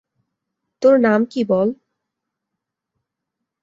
তোর নাম কী বল?